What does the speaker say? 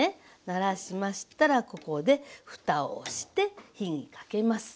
ならしましたらここでふたをして火にかけます。